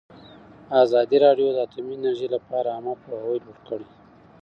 ازادي راډیو د اټومي انرژي لپاره عامه پوهاوي لوړ کړی.